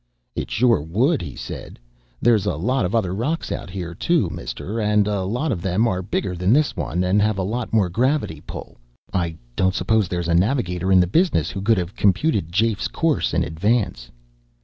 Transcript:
"It sure would," he said. "There's a lot of other rocks out here, too, Mister, and a lot of them are bigger than this one and have a lot more gravity pull. I don't suppose there's a navigator in the business who could have computed Jafe's course in advance.